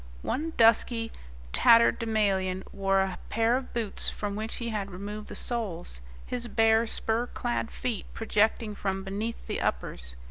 One dusky tatterdemalion wore a pair of boots from which he had removed the soles, his bare, spur clad feet projecting from beneath the uppers.